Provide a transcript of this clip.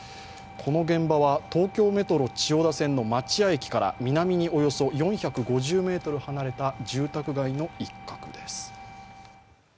この現場は東京メトロ千代田線の町屋駅から南におよそ４５０ｍ離れた住宅街の一角です。